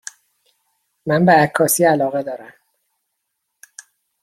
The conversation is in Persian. من به عکاسی علاقه دارم.